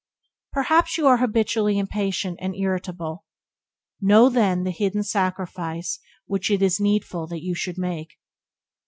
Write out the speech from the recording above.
Perhaps you are habitually impatient and irritable. Know, then, the hidden sacrifice which it is needful that you should make.